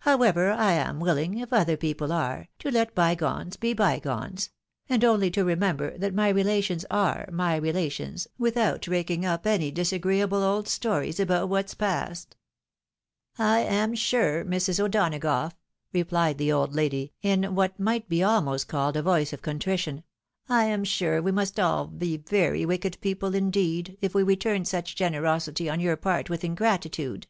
However, I am willing, if other people are, to let by gones be bygones — and only to remember that my relations are my relations, without raking up any disagreeable old stories about what's past." " I am sure, Mrs. O'Donagough," replied the old lady, in what might be almost called a voice of contrition, —" I am sure we must all be very wicked people indeed, if we returned such generosity on your part with ihgratitude.